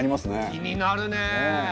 気になるねえ。